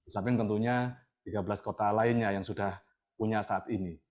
samping tentunya tiga belas kota lainnya yang sudah punya saat ini